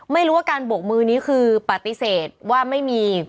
ไม่รู้ว่าการโบกมือนี้คือปฏิเสธว่าไม่มี